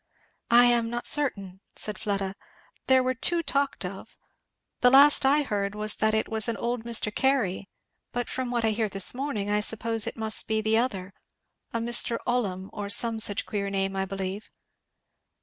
"I am not certain," said Fleda, "there were two talked of the last I heard was that it was an old Mr. Carey; but from what I hear this morning I suppose it must be the other a Mr. Ollum, or some such queer name, I believe."